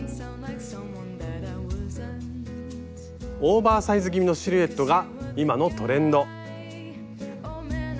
オーバーサイズ気味のシルエットが今のトレンド。